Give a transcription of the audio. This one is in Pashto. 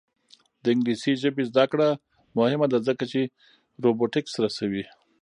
د انګلیسي ژبې زده کړه مهمه ده ځکه چې روبوټکس رسوي.